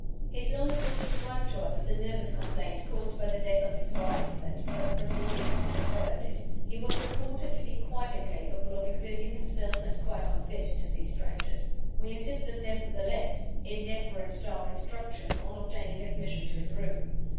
"His illness was described to us as a nervous complaint, caused by the death of his wife, and by the proceedings which had followed it. He was reported to be quite incapable of exerting himself, and quite unfit to see strangers. We insisted nevertheless (in deference to our instructions) on obtaining admission to his room.